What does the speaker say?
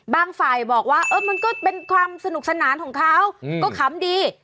ฝ่ายบอกว่ามันก็เป็นความสนุกสนานของเขาก็ขำดี